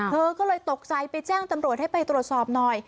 เธอก็เลยตกใจไปแจ้งตำรวจให้ไปตรวจสอบหน่อย